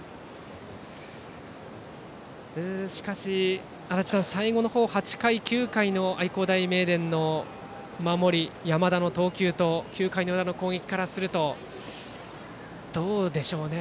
しかし、足達さん最後のところ８回、９回の愛工大名電の守り、山田の投球と９回の裏の攻撃からするとどうでしょうね。